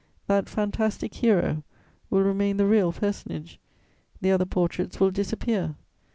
That fantastic hero will remain the real personage; the other portraits will disappear.